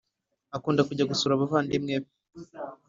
Akunda kujya gusura abavandimwe be